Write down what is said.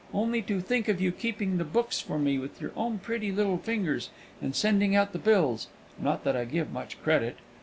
Only to think of you keeping the books for me with your own pretty little fingers, and sending out the bills! (not that I give much credit).